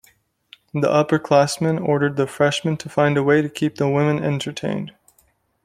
The upperclassmen ordered the freshmen to find a way to keep the women entertained.